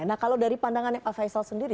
nah kalau dari pandangannya pak faisal sendiri